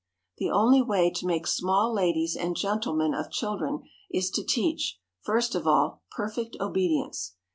The only way to make small ladies and gentlemen of children is to teach, first of all, perfect obedience.